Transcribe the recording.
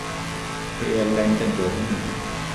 এই এয়ারলাইনটা জঘন্য।